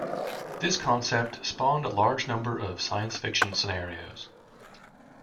This concept spawned a large number of science fiction scenarios.